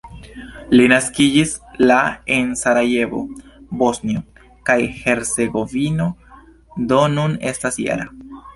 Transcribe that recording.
Li naskiĝis la en Sarajevo, Bosnio kaj Hercegovino, do nun estas -jara.